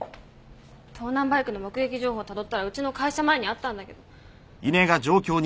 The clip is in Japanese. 盗難バイクの目撃情報たどったらうちの会社前にあったんだけど。